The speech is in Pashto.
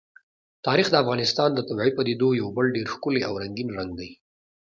تاریخ د افغانستان د طبیعي پدیدو یو بل ډېر ښکلی او رنګین رنګ دی.